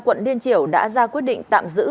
quận điên triều đã ra quyết định tạm giữ